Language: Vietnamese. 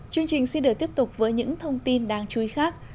chương trình xin được tiếp tục với những thông tin đáng chú ý khác